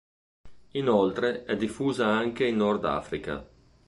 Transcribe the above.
Inoltre è diffusa anche in Nord Africa.